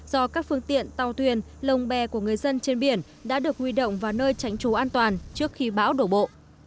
do các phương tiện tàu thuyền lồng bè của người dân trên biển đã được huy động vào nơi tránh trú an toàn trước khi bão đổ bộ